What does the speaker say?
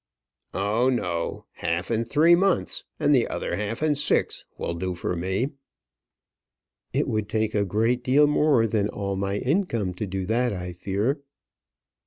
"Oh, no; half in three months, and other half in six will do for me." "It would take a great deal more than all my income to do that, I fear."